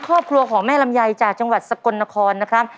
ครอบครัวของแม่ลำไยจากจังหวัดสกลนครนะครับ